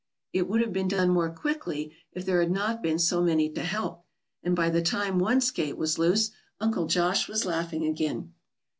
It would have been done more quickly if there had not been so many to help, and by the time one skate was loose, Uncle Josh was laughing again.